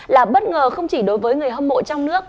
là bất ngờ không chỉ đối với người hâm mộ trong nước